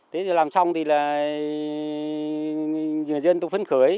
thế thì làm xong thì là người dân tôi phấn khởi